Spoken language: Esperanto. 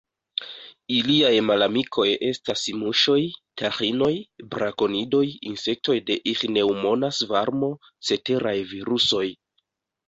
Iliaj malamikoj estas muŝoj, taĥinoj, brakonidoj, insektoj de iĥneŭmona svarmo, ceteraj virusoj.